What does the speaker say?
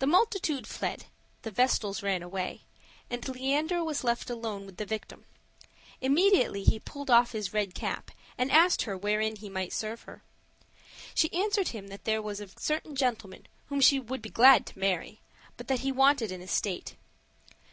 The multitude fled, the vestals ran away, and Leander was left alone with the victim; immediately he pulled off his red cap and asked her wherein he might serve her. She answered him that there was a certain gentleman whom she would be glad to marry, but that he wanted an estate.